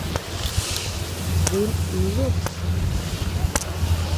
Dín iyúd.